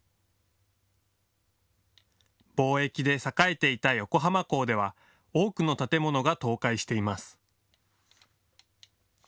貿易で栄えていた横浜港では多くの建物が倒壊しています。